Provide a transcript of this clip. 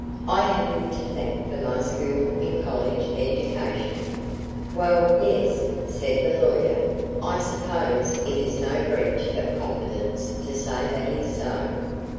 I have him to thank for my school and college education." "Well yes," said the old lawyer; "I suppose it is no breach of confidence to say that it is so."